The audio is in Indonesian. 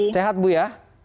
sehat bu ya